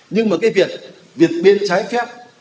nhưng mà việc biến trái phép